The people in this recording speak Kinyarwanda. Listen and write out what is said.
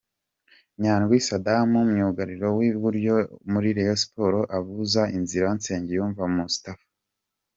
Nyandwi Saddam myugariro w'iburyo muri Rayon Sports abuza inzira Nsengiyumva Moustapha.